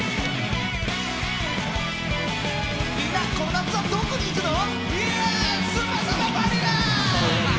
みんな、この夏はどこに行くの？